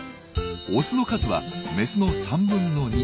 オスの数はメスの３分の２。